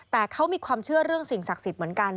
แต่เขามีความเชื่อเรื่องสิ่งศักดิ์สิทธิ์เหมือนกัน